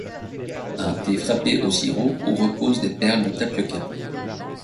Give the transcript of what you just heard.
Un thé frappé au sirop où reposent des perles de tapioca.